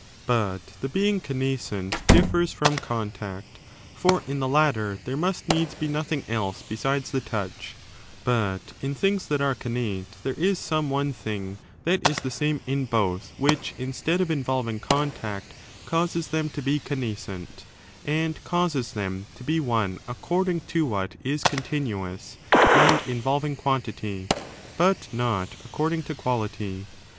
But the being connascent diflFers from contact ; for in the latter there must needs be nothing else besides the touch : but in things that are connate there is some one thing that is the same in both, which, instead of involving contact, causes them to be con nascent, and causes them to be one according to what is con tinuous and involving quantity, but not according to quality.